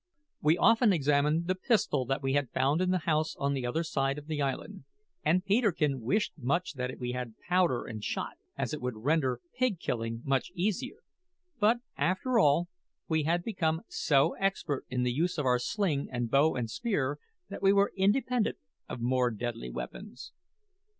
We often examined the pistol that we had found in the house on the other side of the island, and Peterkin wished much that we had powder and shot, as it would render pig killing much easier; but, after all, we had become so expert in the use of our sling and bow and spear that we were independent of more deadly weapons.